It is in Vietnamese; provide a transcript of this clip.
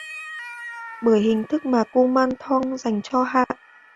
bởi hình thức mà Kumanthong dành cho Hạ